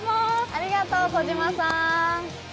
ありがとう小島さん。